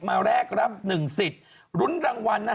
แลกรับ๑สิทธิ์ลุ้นรางวัล